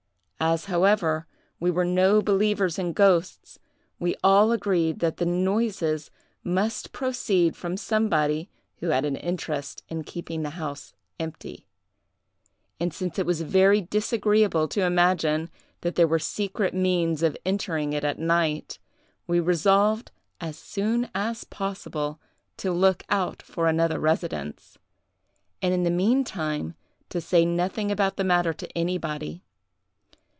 As, however, we were no believers in ghosts, we all agreed that the noises must proceed from somebody who had an interest in keeping the house empty; and since it was very disagreeable to imagine that there were secret means of entering it at night, we resolved, as soon as possible, to look out for another residence, and in the meantime to say nothing about the matter to anybody.